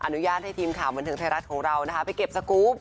อนุญาตให้ทีมข่าวบันเทิงไทยรัฐของเรานะคะไปเก็บสกรูป